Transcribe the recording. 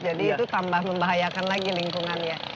jadi itu tambah membahayakan lagi lingkungannya